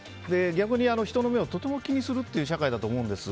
逆に人の目をとても気にするという社会だと思うんです。